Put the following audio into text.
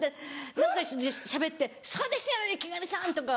何かしゃべって「そうですよね池上さん！」とか。